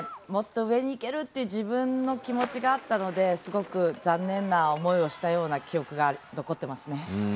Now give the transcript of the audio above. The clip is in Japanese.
もっと上にいけるっていう自分の気持ちがあったのですごく残念な思いをしたような記憶が残ってますね。